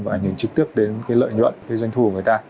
và ảnh hưởng trực tiếp đến lợi nhuận doanh thu của người ta